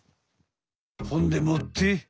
ほんでもって。